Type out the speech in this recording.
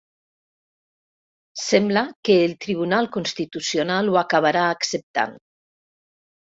Sembla que el Tribunal Constitucional ho acabarà acceptant.